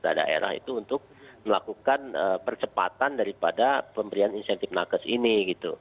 pemerintah daerah itu untuk melakukan percepatan daripada pemberian insentif nakes ini gitu